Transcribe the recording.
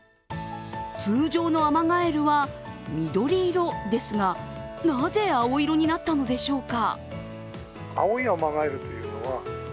通常のアマガエルは緑色ですが、なぜ青色になったのでしょうか。